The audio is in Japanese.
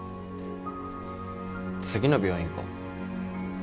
次の病院行こう。